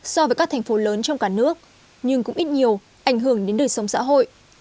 so với các thành phố lớn trong cả nước nhưng cũng ít nhiều ảnh hưởng đến đời sống xã hội